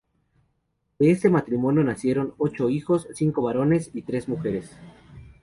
De este matrimonio nacieron ocho hijos, cinco varones y tres mujeres.